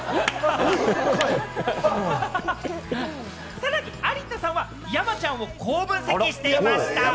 さらに有田さんは山ちゃんをこう、分析していました。